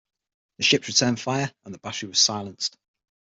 The ships returned fire and the battery was silenced.